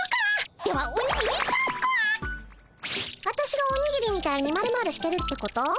わたしがおにぎりみたいにまるまるしてるってこと？